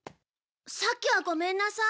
さっきはごめんなさい。